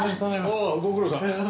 おうご苦労さん。